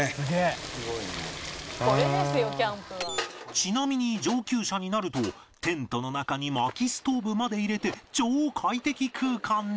ちなみに上級者になるとテントの中に薪ストーブまで入れて超快適空間に